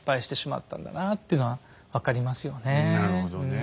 なるほどねえ。